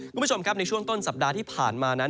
คุณผู้ชมครับในช่วงต้นสัปดาห์ที่ผ่านมานั้น